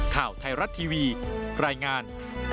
ข่าวไทยรัฐทีวีรายงาน